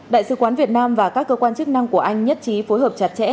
đại sứ quán việt nam và các cơ quan chức năng của anh nhất trí phối hợp chặt chẽ